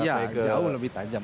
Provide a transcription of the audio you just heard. ya jauh lebih tajam